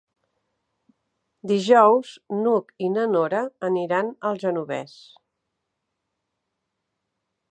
Dijous n'Hug i na Nora aniran al Genovés.